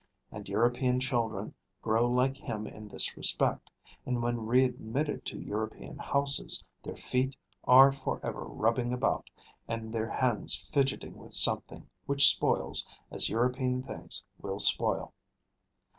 And European children grow like him in this respect; and when readmitted to European houses, their feet are for ever rubbing about, and their hands fidgeting with something, which spoils, as European things will spoil.